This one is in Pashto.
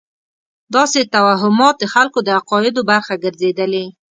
داسې توهمات د خلکو د عقایدو برخه ګرځېدلې.